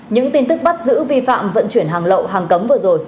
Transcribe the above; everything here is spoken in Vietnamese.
những tin tức bắt giữ vi phạm vận chuyển hàng lậu hàng cấm vừa rồi